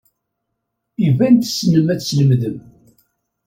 Iban tessnem ad teslemdem.